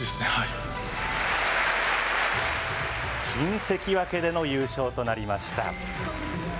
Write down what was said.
新関脇での優勝となりました。